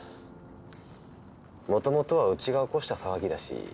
もともとはうちが起こした騒ぎだし。